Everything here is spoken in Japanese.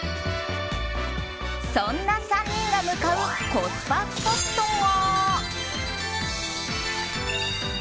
そんな３人が向かうコスパスポットが。